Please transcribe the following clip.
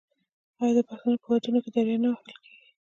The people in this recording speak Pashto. آیا د پښتنو په ودونو کې دریا نه وهل کیږي؟